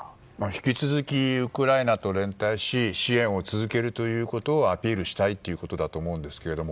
引き続き、ウクライナと連帯し支援を続けるということをアピールしたいということだと思うんですけど。